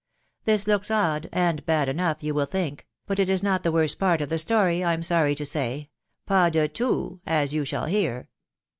This looks odd, and bad enough, you will think ; but it is not the worst part of the story, I'm sorry to say, paw de too, as you shall hear.